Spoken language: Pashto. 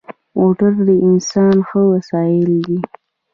موټر د انسان ښه وسایل دی.